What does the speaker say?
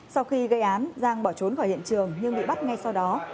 sau khi gây án giang bỏ trốn khỏi hiện trường nhưng bị bắt ngay sau đó